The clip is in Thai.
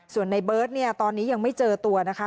ส่วนในเบิร์ตเนี่ยตอนนี้ยังไม่เจอตัวนะคะ